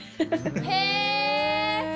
へえ！